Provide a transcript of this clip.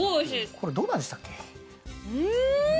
これどんな味でしたっけ？